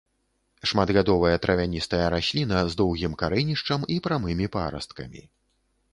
Шматгадовая травяністая расліна з доўгім карэнішчам і прамымі парасткамі.